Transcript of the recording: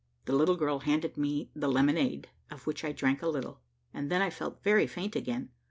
The little girl handed me the lemonade, of which I drank a little, and then I felt very faint again.